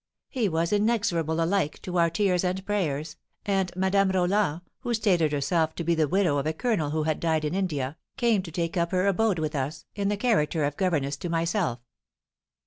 He was inexorable alike to our tears and prayers, and Madame Roland, who stated herself to be the widow of a colonel who had died in India, came to take up her abode with us, in the character of governess to myself."